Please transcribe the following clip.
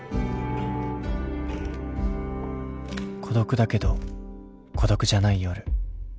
孤独だけど孤独じゃない夜。